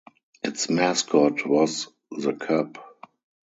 Its mascot was the cub.